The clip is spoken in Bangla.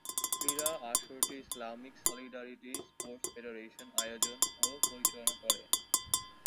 ক্রীড়া আসরটি ইসলামিক সলিডারিটি স্পোর্টস ফেডারেশন আয়োজন ও পরিচালনা করে।